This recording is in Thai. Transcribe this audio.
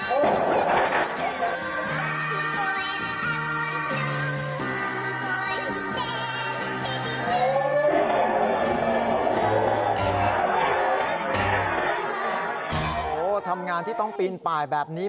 โอ้โหทำงานที่ต้องปีนป่ายแบบนี้